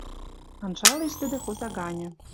Анжалеш тӹдӹ хоза ганьы